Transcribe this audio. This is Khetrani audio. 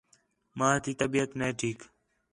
ماں تی طبیعت نَے ٹھیک